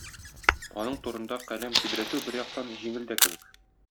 Аның турында каләм тибрәтү, бер яктан, җиңел дә кебек.